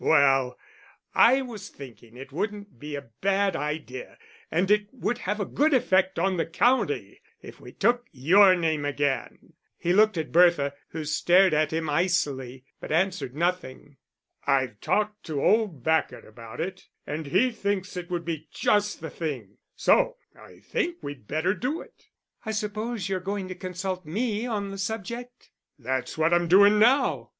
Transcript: "Well, I was thinking it wouldn't be a bad idea, and it would have a good effect on the county, if we took your name again." He looked at Bertha, who stared at him icily, but answered nothing. "I've talked to old Bacot about it and he thinks it would be just the thing; so I think we'd better do it." "I suppose you're going to consult me on the subject." "That's what I'm doing now."